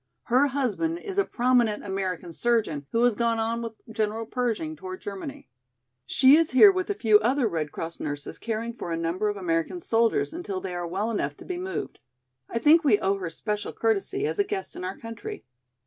Her husband is a prominent American surgeon who has gone on with General Pershing toward Germany. She is here with a few other Red Cross nurses caring for a number of American soldiers until they are well enough to be moved. I think we owe her special courtesy as a guest in our country."